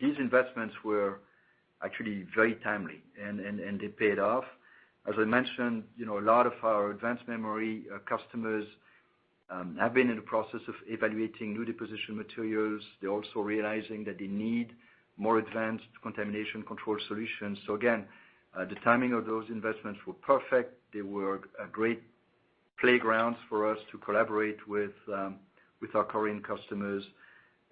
these investments were actually very timely, and they paid off. As I mentioned, a lot of our advanced memory customers have been in the process of evaluating new deposition materials. They're also realizing that they need more advanced contamination control solutions. Again, the timing of those investments were perfect. They were great playgrounds for us to collaborate with our Korean customers.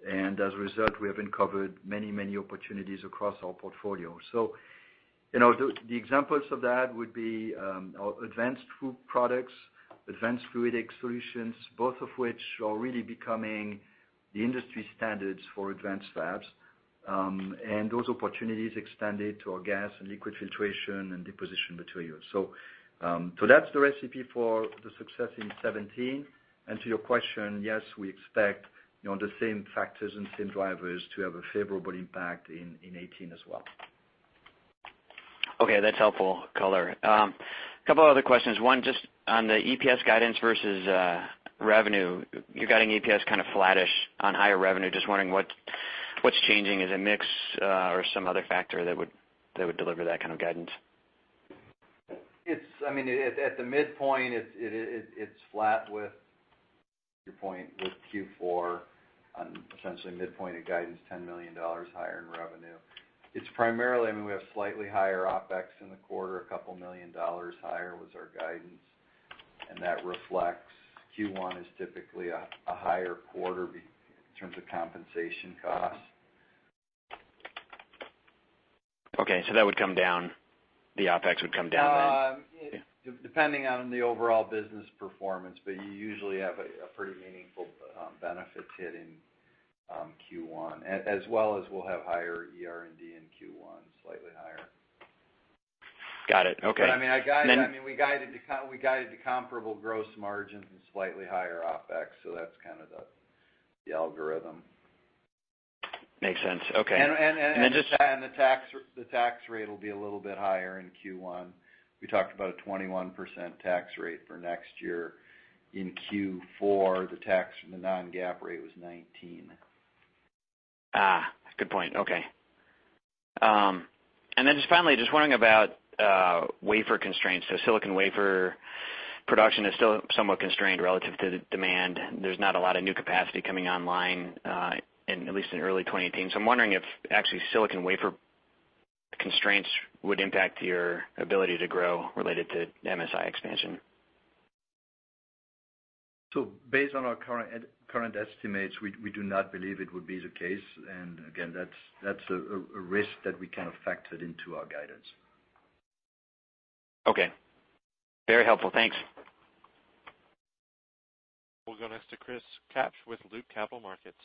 As a result, we have uncovered many opportunities across our portfolio. The examples of that would be our advanced FOUP products, advanced fluidic solutions, both of which are really becoming the industry standards for advanced fabs. Those opportunities expanded to our gas and liquid filtration and deposition materials. That's the recipe for the success in 2017. To your question, yes, we expect the same factors and same drivers to have a favorable impact in 2018 as well. That's helpful color. A couple other questions. One just on the EPS guidance versus revenue. You're guiding EPS kind of flattish on higher revenue. Just wondering what's changing. Is it mix or some other factor that would deliver that kind of guidance? At the midpoint, it's flat with your point with Q4 on essentially midpoint of guidance, $10 million higher in revenue. It's primarily, we have slightly higher OpEx in the quarter. $2 million higher was our guidance, that reflects Q1 is typically a higher quarter in terms of compensation costs. Okay, that would come down, the OpEx would come down then? Depending on the overall business performance, you usually have a pretty meaningful benefit hit in Q1, as well as we'll have higher R&D in Q1, slightly higher. Got it. Okay. I mean, we guided to comparable gross margins and slightly higher OpEx. That's kind of the algorithm. Makes sense. Okay. The tax rate will be a little bit higher in Q1. We talked about a 21% tax rate for next year. In Q4, the tax, the non-GAAP rate was 19%. Good point. Okay. Just finally, just wondering about wafer constraints. Silicon wafer production is still somewhat constrained relative to the demand. There's not a lot of new capacity coming online, at least in early 2018. I'm wondering if actually silicon wafer constraints would impact your ability to grow related to MSI expansion. Based on our current estimates, we do not believe it would be the case. Again, that's a risk that we kind of factored into our guidance. Okay. Very helpful. Thanks. We'll go next to Chris Kapsch with Loop Capital Markets.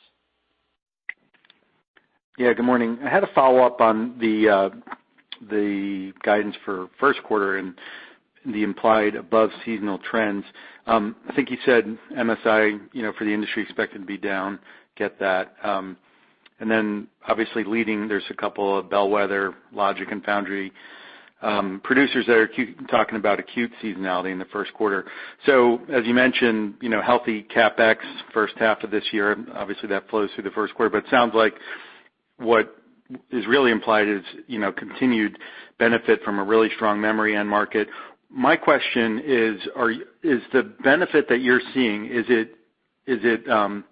Yeah, good morning. I had a follow-up on the guidance for first quarter and the implied above seasonal trends. I think you said MSI, for the industry expected to be down, get that. Obviously leading, there's a couple of bellwether logic and foundry producers that are talking about acute seasonality in the first quarter. As you mentioned, healthy CapEx first half of this year, obviously that flows through the first quarter. It sounds like what is really implied is continued benefit from a really strong memory end market. My question is the benefit that you're seeing, is it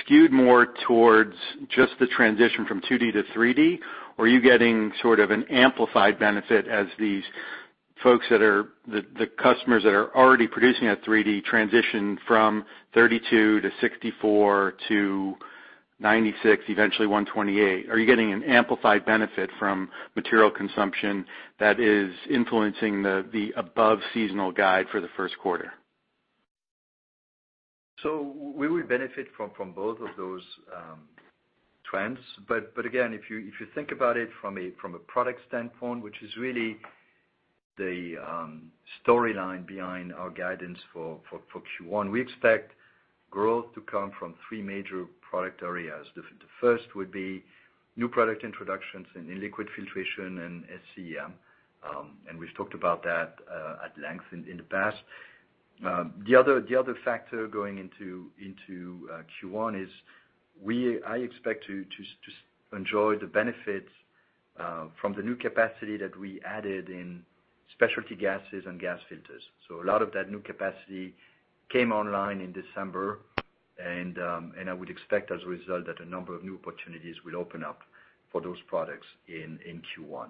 skewed more towards just the transition from 2D to 3D, or are you getting sort of an amplified benefit as the customers that are already producing at 3D transition from 32 to 64 to 96, eventually 128? Are you getting an amplified benefit from material consumption that is influencing the above seasonal guide for the first quarter? We would benefit from both of those trends. Again, if you think about it from a product standpoint, which is really the storyline behind our guidance for Q1, we expect growth to come from three major product areas. The first would be new product introductions in liquid filtration and SCEM, and we've talked about that at length in the past. The other factor going into Q1 is I expect to enjoy the benefits from the new capacity that we added in specialty gases and gas filters. A lot of that new capacity came online in December, and I would expect as a result, that a number of new opportunities will open up for those products in Q1.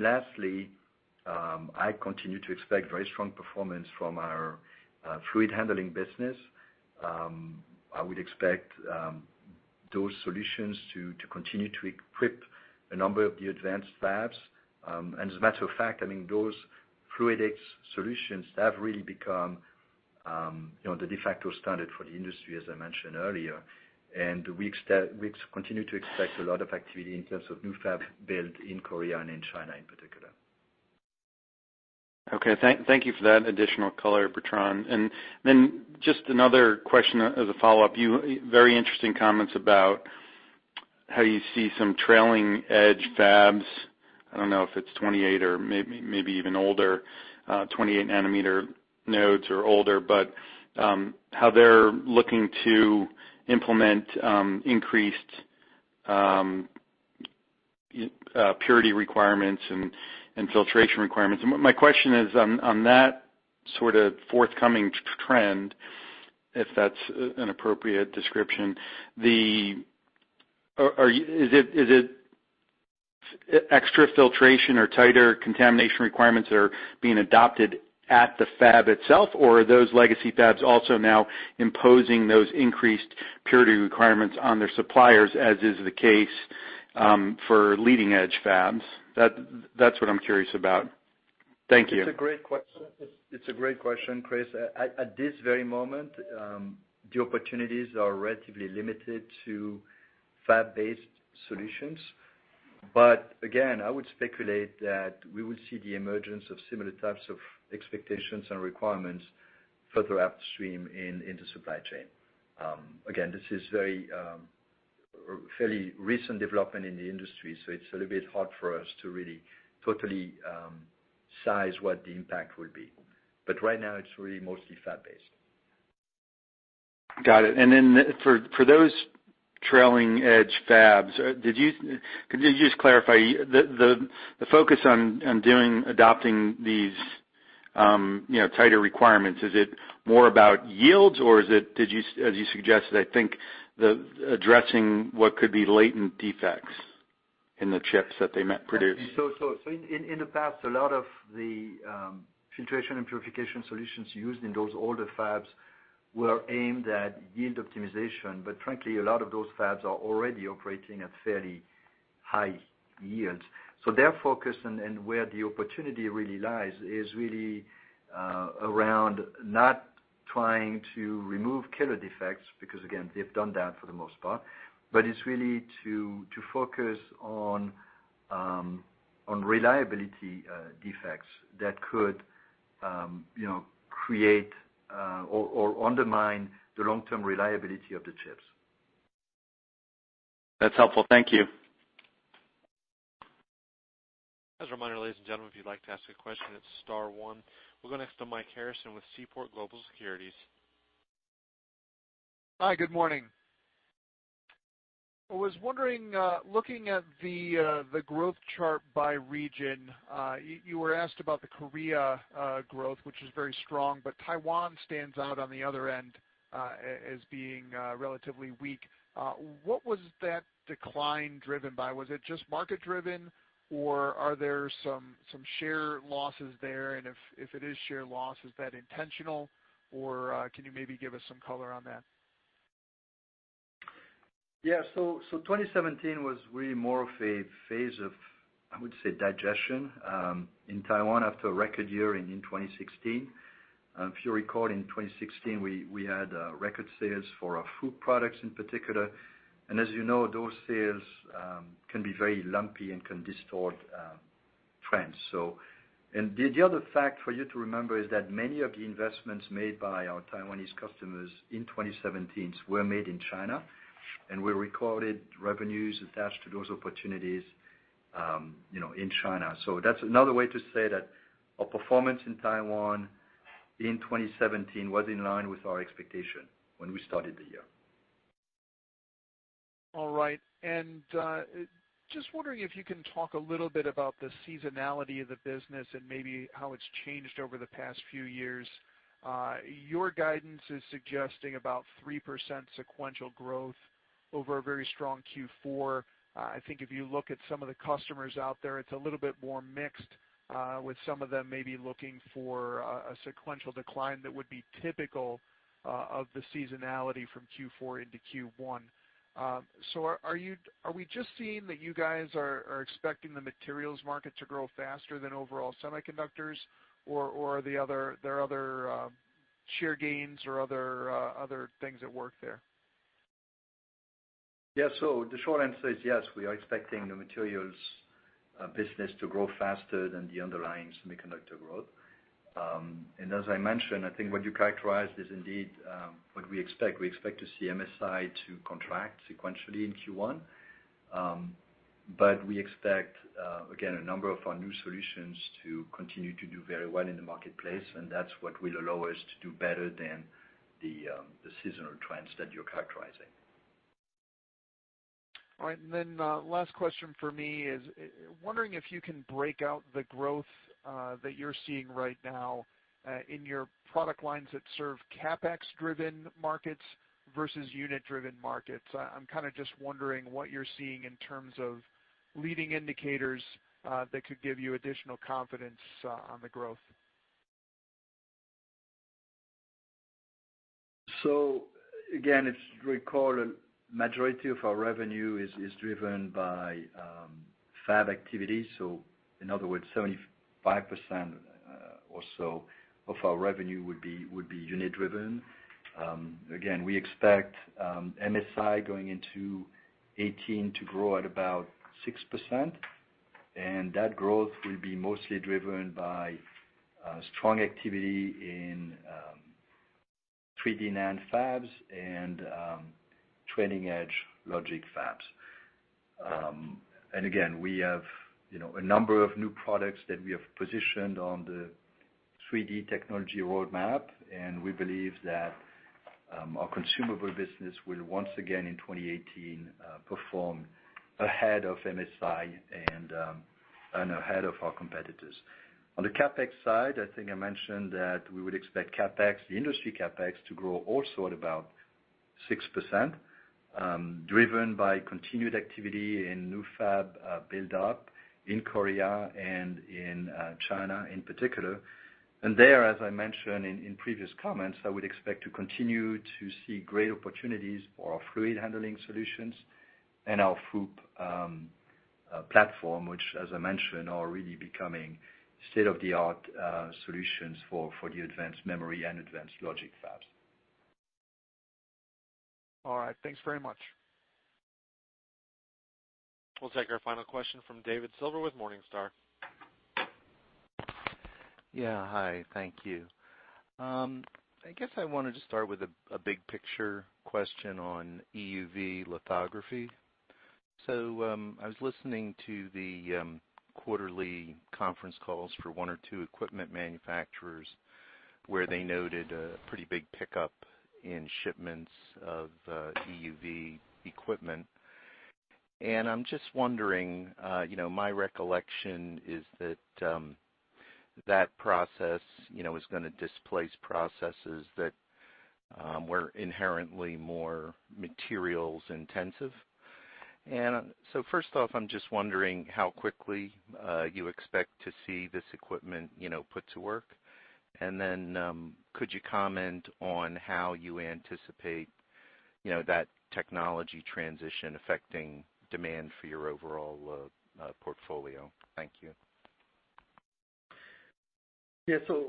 Lastly, I continue to expect very strong performance from our fluid handling business. I would expect those solutions to continue to equip a number of the advanced fabs. As a matter of fact, those Fluidics solutions have really become the de facto standard for the industry, as I mentioned earlier. We continue to expect a lot of activity in terms of new fab build in Korea and in China in particular. Okay. Thank you for that additional color, Bertrand. Just another question as a follow-up. Very interesting comments about how you see some trailing edge fabs. I don't know if it's 28 or maybe even older, 28 nanometer nodes or older, but how they're looking to implement increased purity requirements and filtration requirements. My question is on that sort of forthcoming trend, if that's an appropriate description, is it extra filtration or tighter contamination requirements that are being adopted at the fab itself? Or are those legacy fabs also now imposing those increased purity requirements on their suppliers, as is the case for leading edge fabs? That's what I'm curious about. Thank you. It's a great question, Chris. At this very moment, the opportunities are relatively limited to fab-based solutions. Again, I would speculate that we would see the emergence of similar types of expectations and requirements further upstream in the supply chain. Again, this is fairly recent development in the industry, so it's a little bit hard for us to really totally size what the impact will be. Right now, it's really mostly fab-based. Got it. For those trailing edge fabs, could you just clarify, the focus on adopting these tighter requirements, is it more about yields, or as you suggested, I think, addressing what could be latent defects in the chips that they might produce? In the past, a lot of the filtration and purification solutions used in those older fabs were aimed at yield optimization. Frankly, a lot of those fabs are already operating at fairly high yields. Their focus and where the opportunity really lies is really around not trying to remove killer defects, because again, they've done that for the most part, but it's really to focus on reliability defects that could create or undermine the long-term reliability of the chips. That's helpful. Thank you. As a reminder, ladies and gentlemen, if you'd like to ask a question, it's star one. We'll go next to Mike Harrison with Seaport Global Securities. Hi, good morning. I was wondering, looking at the growth chart by region, you were asked about the Korea growth, which is very strong, but Taiwan stands out on the other end as being relatively weak. What was that decline driven by? Was it just market-driven, or are there some share losses there? If it is share loss, is that intentional? Can you maybe give us some color on that? Yeah. 2017 was really more of a phase of, I would say, digestion in Taiwan after a record year in 2016. If you recall, in 2016, we had record sales for our FOUP products in particular, and as you know, those sales can be very lumpy and can distort trends. The other fact for you to remember is that many of the investments made by our Taiwanese customers in 2017 were made in China, and we recorded revenues attached to those opportunities in China. That's another way to say that our performance in Taiwan in 2017 was in line with our expectation when we started the year. All right. Just wondering if you can talk a little bit about the seasonality of the business and maybe how it's changed over the past few years. Your guidance is suggesting about 3% sequential growth over a very strong Q4. I think if you look at some of the customers out there, it's a little bit more mixed, with some of them maybe looking for a sequential decline that would be typical of the seasonality from Q4 into Q1. Are we just seeing that you guys are expecting the materials market to grow faster than overall semiconductors? Are there other share gains or other things at work there? Yeah. The short answer is yes, we are expecting the materials business to grow faster than the underlying semiconductor growth. As I mentioned, I think what you characterized is indeed what we expect. We expect to see MSI to contract sequentially in Q1. We expect, again, a number of our new solutions to continue to do very well in the marketplace, and that's what will allow us to do better than the seasonal trends that you're characterizing. All right. Last question for me is, wondering if you can break out the growth that you're seeing right now in your product lines that serve CapEx-driven markets versus unit-driven markets. I'm kind of just wondering what you're seeing in terms of leading indicators that could give you additional confidence on the growth. Again, if you recall, a majority of our revenue is driven by fab activity. In other words, 75% or so of our revenue would be unit-driven. Again, we expect MSI going into 2018 to grow at about 6%, and that growth will be mostly driven by strong activity in 3D NAND fabs and trailing edge logic fabs. Again, we have a number of new products that we have positioned on the 3D technology roadmap, and we believe that our consumable business will once again, in 2018, perform ahead of MSI and ahead of our competitors. On the CapEx side, I think I mentioned that we would expect the industry CapEx to grow also at about 6%, driven by continued activity in new fab build-up in Korea and in China in particular. There, as I mentioned in previous comments, I would expect to continue to see great opportunities for our fluid handling solutions and our FOUP platform, which as I mentioned, are really becoming state-of-the-art solutions for the advanced memory and advanced logic fabs. All right. Thanks very much. We'll take our final question from David Silver with Morningstar. Hi, thank you. I guess I wanted to start with a big picture question on EUV lithography. I was listening to the quarterly conference calls for one or two equipment manufacturers, where they noted a pretty big pickup in shipments of EUV equipment. I'm just wondering, my recollection is that process is going to displace processes that were inherently more materials intensive. First off, I'm just wondering how quickly you expect to see this equipment put to work. Could you comment on how you anticipate that technology transition affecting demand for your overall portfolio? Thank you.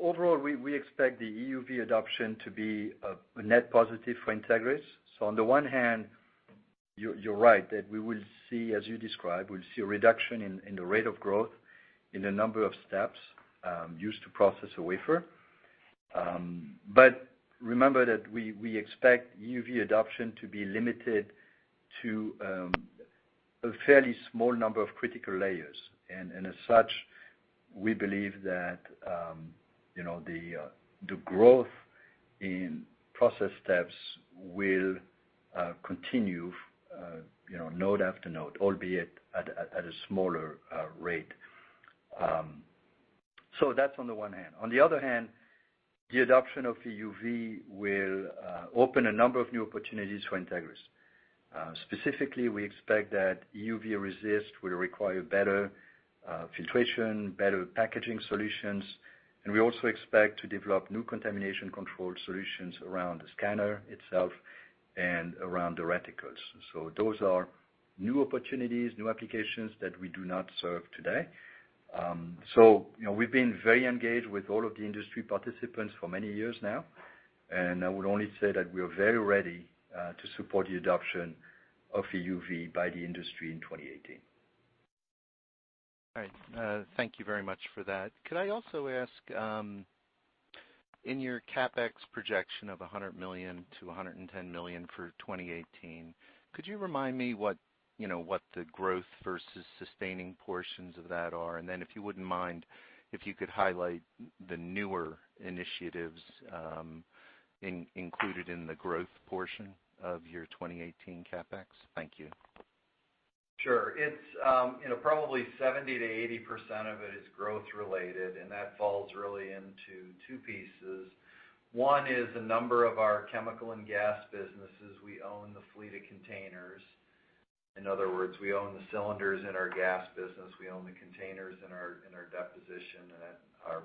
Overall, we expect the EUV adoption to be a net positive for Entegris. On the one hand, you're right, that we will see, as you described, we'll see a reduction in the rate of growth in the number of steps used to process a wafer. Remember that we expect EUV adoption to be limited to a fairly small number of critical layers. As such, we believe that the growth in process steps will continue node after node, albeit at a smaller rate. That's on the one hand. On the other hand, the adoption of EUV will open a number of new opportunities for Entegris. Specifically, we expect that EUV resist will require better filtration, better packaging solutions, and we also expect to develop new contamination control solutions around the scanner itself and around the reticles. Those are new opportunities, new applications that we do not serve today. We've been very engaged with all of the industry participants for many years now, I would only say that we are very ready to support the adoption of EUV by the industry in 2018. Thank you very much for that. Could I also ask, in your CapEx projection of $100 million-$110 million for 2018, could you remind me what the growth versus sustaining portions of that are? Then if you wouldn't mind, if you could highlight the newer initiatives included in the growth portion of your 2018 CapEx? Thank you. Sure. Probably 70%-80% of it is growth related, that falls really into two pieces. One is the number of our chemical and gas businesses. We own the fleet of containers. In other words, we own the cylinders in our gas business. We own the containers in our deposition and at our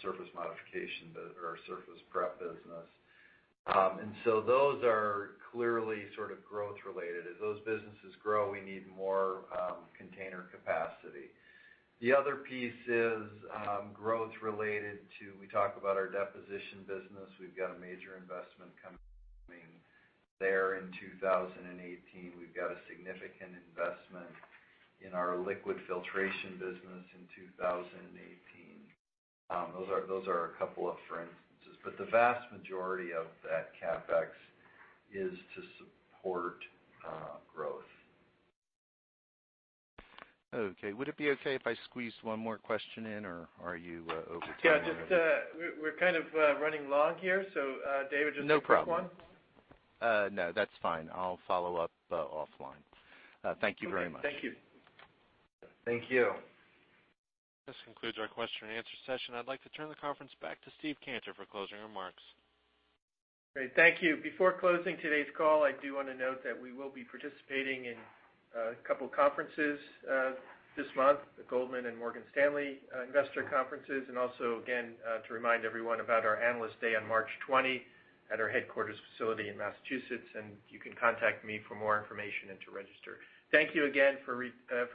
surface modification, or our surface prep business. Those are clearly sort of growth related. As those businesses grow, we need more container capacity. The other piece is growth related to, we talk about our deposition business. We've got a major investment coming there in 2018. We've got a significant investment in our liquid filtration business in 2018. Those are a couple of for instances. The vast majority of that CapEx is to support growth. Okay. Would it be okay if I squeeze one more question in, or are you over time already? Yeah, we're kind of running long here. David, just take this one. No problem. No, that's fine. I'll follow up offline. Thank you very much. Okay. Thank you. Thank you. This concludes our question and answer session. I'd like to turn the conference back to Steve Cantor for closing remarks. Great. Thank you. Before closing today's call, I do want to note that we will be participating in a couple conferences this month, the Goldman and Morgan Stanley investor conferences. Also, again, to remind everyone about our Analyst Day on March 20 at our headquarters facility in Massachusetts. You can contact me for more information and to register. Thank you again for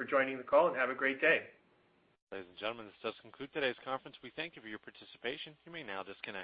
joining the call, and have a great day. Ladies and gentlemen, this does conclude today's conference. We thank you for your participation. You may now disconnect.